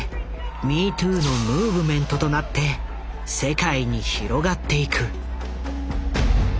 ＭｅＴｏｏのムーブメントとなって世界に広がっていく。